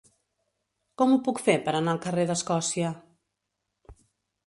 Com ho puc fer per anar al carrer d'Escòcia?